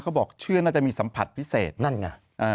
บอกชื่อน่าจะมีสัมผัสพิเศษนั่นไง